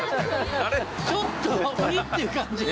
ちょっとっていう感じが。